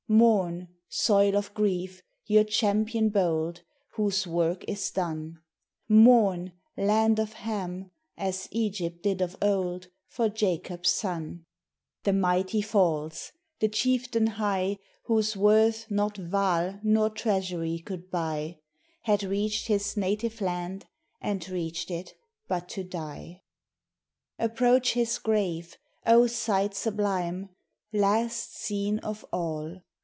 Mourn, soil of grief, your champion bold, Whose work is done; Mourn, land of Ham, as Egypt did of old, For Jacob's son. The mighty falls! the Chieftain high Whose worth not Vaal nor Treasury could buy, Had reached his native land, and reached it but to die. Approach his grave; oh, sight sublime! "Last scene of all."